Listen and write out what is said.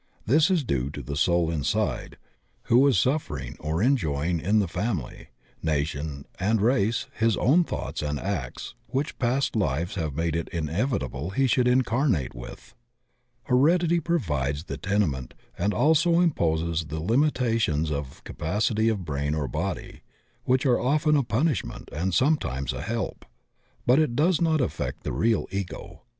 This is due to the soul inside, who is suffering or enjoying in the family, nation, and race his own thoughts and acts which past lives have made it inevitable he should incarnate wiA. Heredity provides the tenement and also imposes those limitations of capacity of brain or body which are often a punishment and sometimes a help, but it does not affect the real Ego.